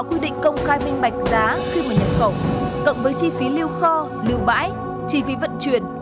quy định công khai minh bạch giá khi mà nhập khẩu cộng với chi phí lưu kho lưu bãi chi phí vận chuyển